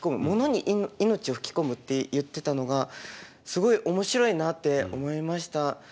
ものに命を吹き込むって言ってたのがすごい面白いなって思いました。